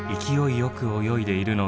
よく泳いでいるのが。